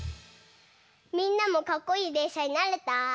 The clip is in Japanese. みんなもかっこいいでんしゃになれた？